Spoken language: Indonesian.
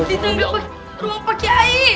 di tangga ruang pak kiai